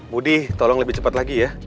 budi tolong lebih cepat lagi ya